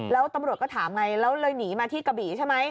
แล้วตำรวจก็ถามไงแล้วเลยหนีมาที่กะบี่ใช่ไหม